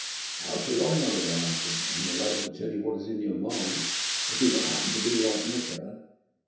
"How should I know it?" I answered. "I am not able to tell what is in your mind. I do not happen to be like Nikola."